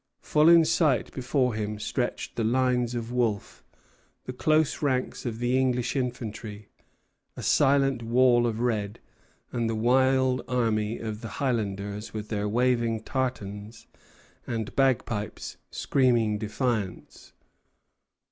Full in sight before him stretched the lines of Wolfe: the close ranks of the English infantry, a silent wall of red, and the wild array of the Highlanders, with their waving tartans, and bagpipes screaming defiance.